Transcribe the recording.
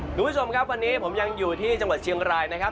คุณผู้ชมครับวันนี้ผมยังอยู่ที่จังหวัดเชียงรายนะครับ